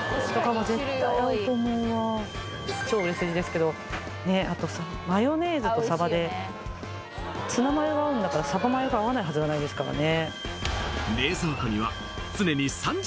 絶対合うと思うわ超売れ筋ですけどねっマヨネーズとさばでツナマヨが合うんだからさばマヨが合わないはずがないですからね